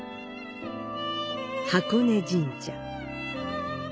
箱根神社。